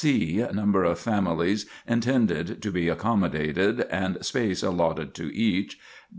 c. Number of families intended to be accommodated, and space allotted to each.